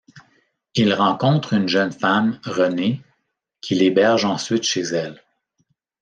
Il rencontre une jeune femme, Renée, qui l'héberge ensuite chez elle.